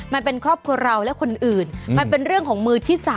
มันเป็นครอบครัวเราและคนอื่นมันเป็นเรื่องของมือที่๓